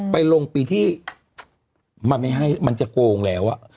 ไปลงปีที่มันจะโก่งแล้วอ่ะ